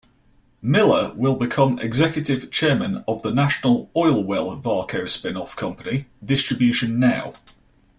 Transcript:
Miller will become Executive Chairman of the National Oilwell Varco spinoff company, DistributionNow.